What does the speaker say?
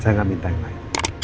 saya nggak minta yang lain